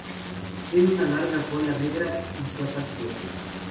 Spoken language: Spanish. Tiene una larga cola negra y patas fuertes.